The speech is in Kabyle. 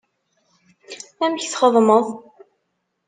Amek txedmeḍ?